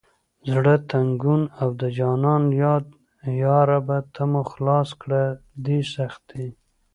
زړه تنګون او د جانان یاد یا ربه ته مو خلاص کړه دې سختي…